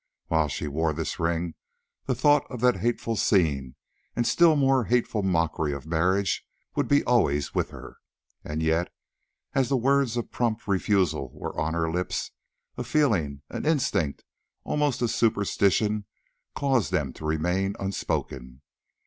While she wore this ring the thought of that hateful scene and still more hateful mockery of marriage would be always with her. And yet, as the words of prompt refusal were on her lips, a feeling, an instinct, almost a superstition caused them to remain unspoken.